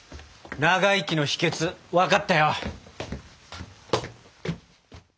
長生きの秘訣分かったよ。